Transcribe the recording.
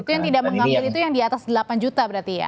itu yang tidak mengambil itu yang di atas delapan juta berarti ya